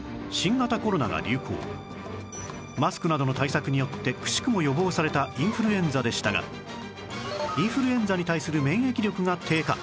マスクなどの対策によってくしくも予防されたインフルエンザでしたがインフルエンザに対する免疫力が低下